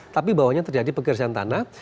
tapi di bawahnya terjadi pergerasan tanah